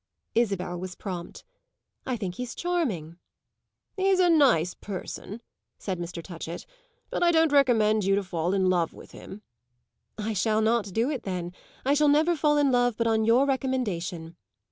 Isabel was prompt. "I think he's charming." "He's a nice person," said Mr. Touchett, "but I don't recommend you to fall in love with him." "I shall not do it then; I shall never fall in love but on your recommendation.